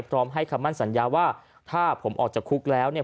พร้อมให้คำมั่นสัญญาว่าถ้าผมออกจากคุกแล้วเนี่ย